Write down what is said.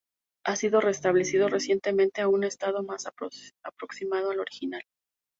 Ha sido restablecido recientemente a un estado más aproximado al original.